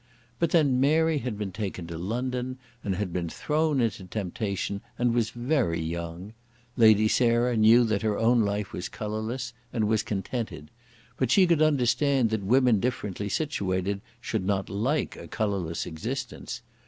But then Mary had been taken to London, and had been thrown into temptation, and was very young. Lady Sarah knew that her own life was colourless, and was contented. But she could understand that women differently situated should not like a colourless existence.